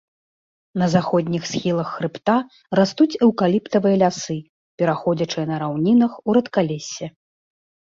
На заходніх схілах хрыбта растуць эўкаліптавыя лясы, пераходзячыя на раўнінах у рэдкалессе.